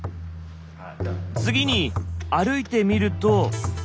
次に歩いてみると。